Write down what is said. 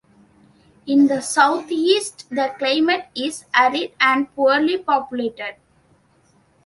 In the southeast, the climate is arid, and poorly populated.